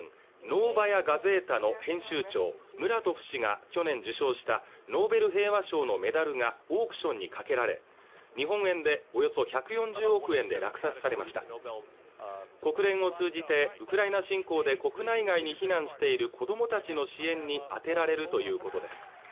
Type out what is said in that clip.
ノーバヤ・ガゼータの編集長ムラトフ氏が去年受賞したノーベル平和賞のメダルがオークションにかけられ日本円でおよそ１４０億円で落札されました国連を通じてウクライナ侵攻で国内外に避難している子どもたちの支援に充てられるということです